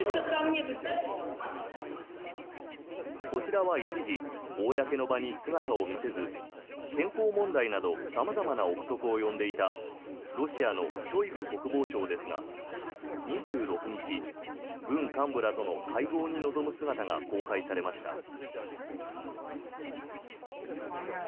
こちらは一時、公の場に姿を見せず健康問題など様々な臆測を呼んでいたロシアのショイグ国防相ですが２６日、軍幹部らとの会合に臨む姿が公開されました。